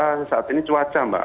karena saat ini cuaca mbak